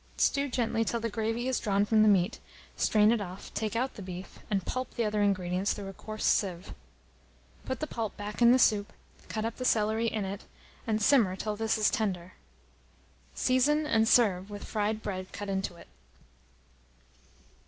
Stew gently till the gravy is drawn from the meat; strain it off, take out the beef, and pulp the other ingredients through a coarse sieve. Put the pulp back in the soup, cut up the celery in it, and simmer till this is tender. Season, and serve with fried bread cut into it.